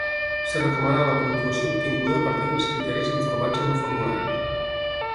Es recomana la puntuació obtinguda a partir dels criteris informats en el formulari.